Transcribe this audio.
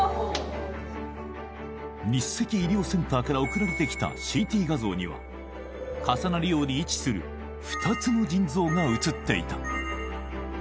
日赤医療センターから送られてきたＣＴ画像には重なるように位置する２つの腎臓が写っていた